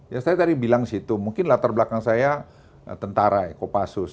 ya saya tadi bilang situ mungkin latar belakang saya tentara kopassus